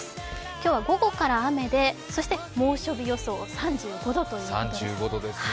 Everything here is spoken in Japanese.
今日は午後から雨で、そして猛暑日予想３５度ということです。